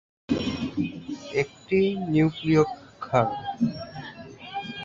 একটি নিউক্লিয়ক্ষার।